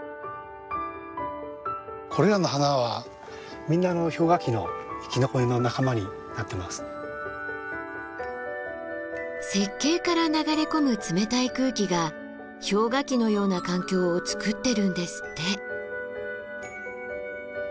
これらの花はみんな雪渓から流れ込む冷たい空気が氷河期のような環境をつくってるんですって。